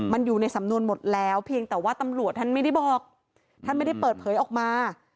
มันอยู่ในสำนวนหมดแล้วเพียงแต่ว่าตำรวจท่านไม่ได้บอกท่านไม่ได้เปิดเผยออกมา